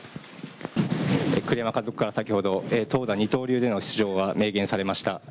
栗山監督から先ほど、投打二刀流での出場を明言されました。